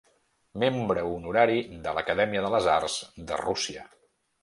Membre honorari de l'Acadèmia de les Arts de Rússia.